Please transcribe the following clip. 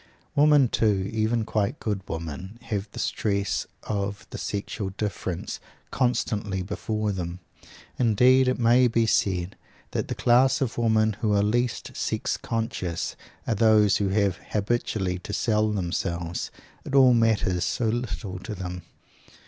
Women, too, even quite good women, have the stress of the sexual difference constantly before them. Indeed it may be said that the class of women who are least sex conscious are those who have habitually to sell themselves. It all matters so little then!